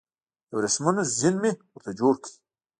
د وریښمو زین مې ورته جوړ کړ